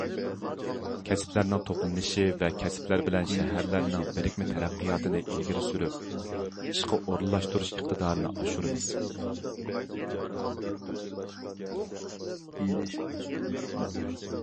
كەسىپلەرنىڭ توپلىنىشى ۋە كەسىپلەر بىلەن شەھەرلەرنىڭ بىرىكمە تەرەققىياتىنى ئىلگىرى سۈرۈپ، ئىشقا ئورۇنلاشتۇرۇش ئىقتىدارىنى ئاشۇرىمىز.